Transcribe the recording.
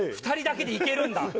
２人だけでいけるんだ。